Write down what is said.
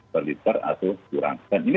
per liter atau kurang dan ini